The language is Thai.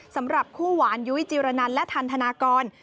สำหรับคู่หวานยุ้ยจิรนันและทันธนากร